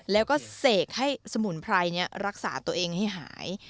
แล้วก็เสกให้สมุนไพรรักษาตัวเองให้หาย